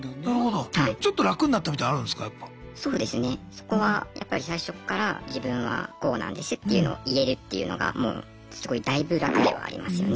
そこはやっぱり最初っから自分はこうなんですっていうのを言えるっていうのがもうすごい大分楽ではありますよね。